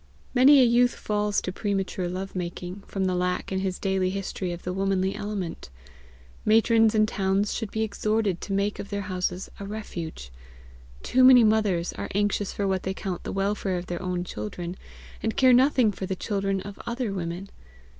Many a youth falls to premature love making, from the lack in his daily history of the womanly element. Matrons in towns should be exhorted to make of their houses a refuge. Too many mothers are anxious for what they count the welfare of their own children, and care nothing for the children of other women!